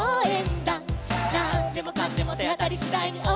「なんでもかんでもてあたりしだいにおうえんだ！！」